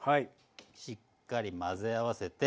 しっかり混ぜ合わせて。